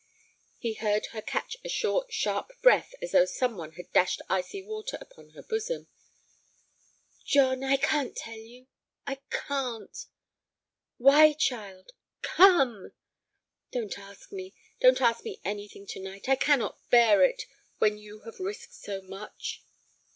He heard her catch a short, sharp breath as though some one had dashed icy water upon her bosom. "John, I can't tell you—I can't!" "Why, child?—come?" "Don't ask me—don't ask me anything to night. I cannot bear it, when you have risked so much."